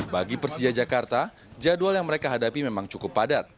bagi persija jakarta jadwal yang mereka hadapi memang cukup padat